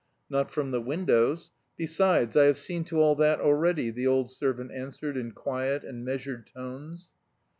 "Not from the windows. Besides I have seen to all that already," the old servant answered in quiet and measured tones.